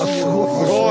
すごい！